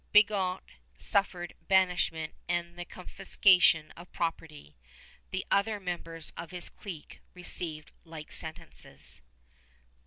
Bigot suffered banishment and the confiscation of property. The other members of his clique received like sentences.